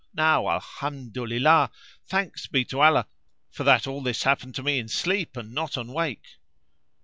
Now Alham dolillah! thanks be to Allah, for that all this happened to me in sleep, and not on wake."